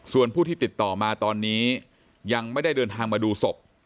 ส่วนผู้ที่ติดต่อมาตอนนี้ยังไม่ได้เดินทางมาดูศพ